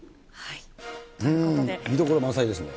見どころ満載ですね。